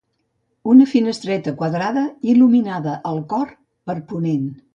Una finestreta quadrada il·luminada el cor per ponent.